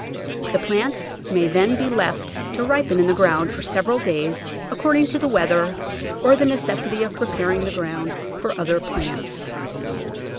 The plants may then be left to ripen in the ground for several days, accord ing to the weather, or the necessity of preparing the ground for other plants.